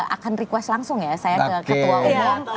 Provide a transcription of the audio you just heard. akan request langsung ya saya ke ketua umum